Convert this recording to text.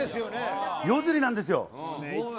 夜釣りなんですよ。